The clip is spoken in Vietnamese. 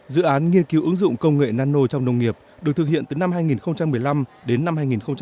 dự án nghiên cứu ứng dụng công nghệ nano trong nông nghiệp được thực hiện từ năm hai nghìn một mươi năm đến năm hai nghìn một mươi bảy